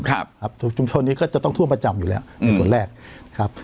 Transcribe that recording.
ครับชุมชนนี้ก็จะต้องท่วมประจำอยู่แล้วในส่วนแรกครับ